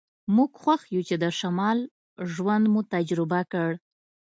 موږ خوښ یو چې د شمال ژوند مو تجربه کړ